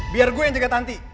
biar gue yang jaga tanti